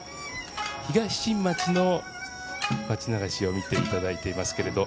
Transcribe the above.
東新町の町流しを見ていただいていらっしゃいますけども。